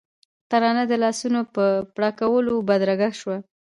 ترانه د لاسونو په پړکولو بدرګه شوه.